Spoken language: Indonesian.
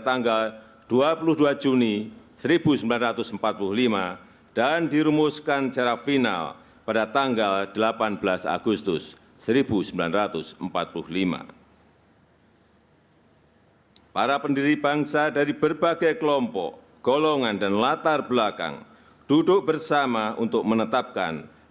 tanda kebesaran buka hormat senjata